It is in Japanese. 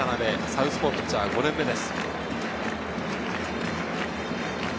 サウスポーピッチャー、５年目です。